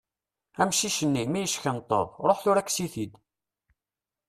Amcic-nni, mi yeckenṭeḍ, ṛuḥ tura kkes-it-id.